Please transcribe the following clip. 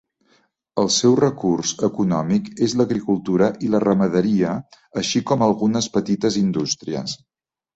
El seu recurs econòmic és l'agricultura i la ramaderia així com algunes petites indústries.